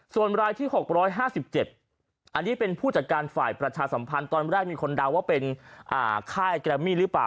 ส่วนรายที่๖๕๗อันนี้เป็นผู้จัดการฝ่ายประชาสัมพันธ์ตอนแรกมีคนเดาว่าเป็นค่ายแกรมมี่หรือเปล่า